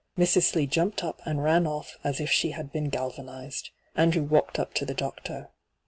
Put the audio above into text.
Mrs. Slee jumped up and ran o£F as if she had been galvanized. Andrew walked up to the doctor.